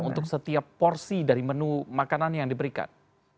untuk setiap porsi dari menu makanan yang diberikan